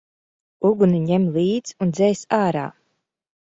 Uguni ņem līdz un dzēs ārā!